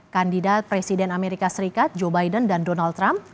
kandidat presiden amerika serikat joe biden dan donald trump